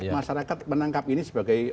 masyarakat menangkap ini sebagai